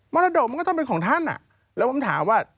รดกมันก็ต้องเป็นของท่านแล้วผมถามว่า